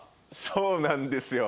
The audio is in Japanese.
そうなんですよ！